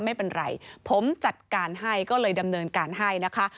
ไม่เป็นไรผมจัดการให้ก็เลยดำเนินการให้นะคะ